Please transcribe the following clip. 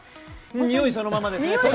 においそのままですね。